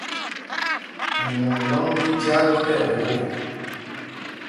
Ɛnwɔŋ lɔ́ŋ mí Jal tí ɛgwôk.